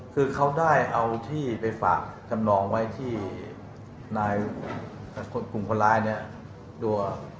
คือเขาได้เอาที่ไปฝากจำนองไว้ที่นายกลุ่มคนร้ายเนี่ยตัว